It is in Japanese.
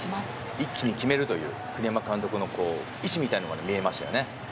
一気に決めるという栗山監督の意思みたいなものが見えましたよね。